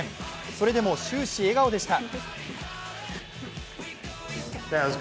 それでも終始笑顔でした。